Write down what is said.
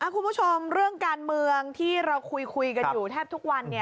คุณผู้ชมเรื่องการเมืองที่เราคุยกันอยู่แทบทุกวัน